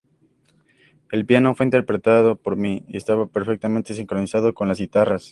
El piano fue interpretado por mí y estaba perfectamente sincronizado con las guitarras.